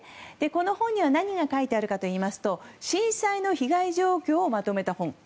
この本には何が書いてあるかといいますと震災の被害状況をまとめた本。